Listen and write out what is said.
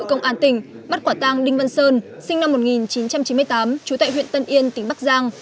công an tỉnh bắt quả tang đinh văn sơn sinh năm một nghìn chín trăm chín mươi tám trú tại huyện tân yên tỉnh bắc giang